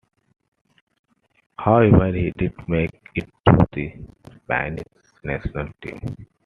However, he did make it to the Spanish national team.